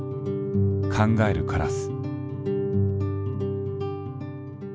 「考えるカラス」。